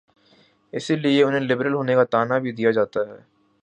اسی لیے انہیں لبرل ہونے کا طعنہ بھی دیا جاتا ہے۔